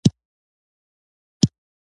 مچان ډېرې ځلې انسان ژوي